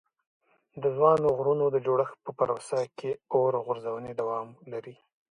د ځوانو غرونو د جوړښت په پروسه کې اور غورځونې دوام لري.